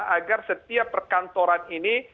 agar setiap perkantoran ini